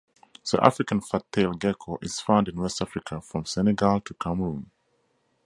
The African fat-tailed gecko is found in West Africa, from Senegal to Cameroon.